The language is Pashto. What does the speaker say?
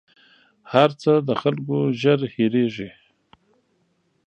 هر څه د خلکو ژر هېرېـږي